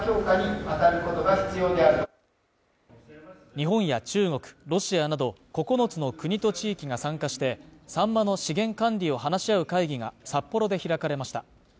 日本や中国、ロシアなど九つの国と地域が参加して、サンマの資源管理を話し合う会議が札幌で開かれました。